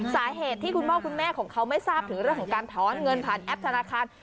สาเหตุที่คุณพ่อคุณแม่ของเขาไม่ทราบถึงเรื่องของการถอนเงินผ่านแอปธนาคาร